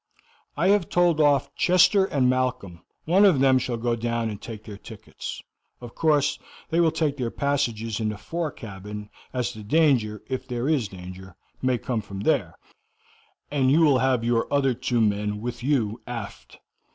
"I have told off Chester and Malcolm; one of them shall go down and take their tickets. Of course, they will take their passages in the fore cabin, as the danger, if there is danger, may come from there, and you will have your other two men with you aft.